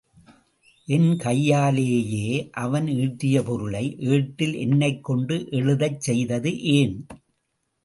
என் கையாலேயே அவன் ஈட்டிய பொருளை ஏட்டில் என்னைக் கொண்டு எழுதச் செய்தது ஏன்?